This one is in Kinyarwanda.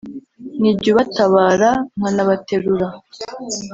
ni jye ubatabara, nkanabaterura,